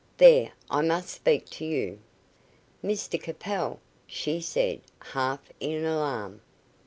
"There, I must speak to you." "Mr Capel!" she said, half in alarm.